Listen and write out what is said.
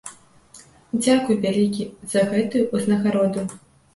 Дзякуй вялікі за гэтую ўзнагароду.